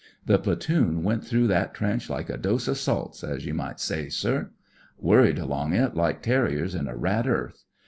The platoon went through that trench like a dose o' salts, as ye might say, sir. Worried along it, like terriers in a rat earth.